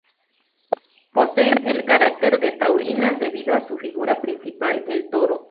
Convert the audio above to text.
Poseen el carácter de taurinas debido a su figura principal, el toro.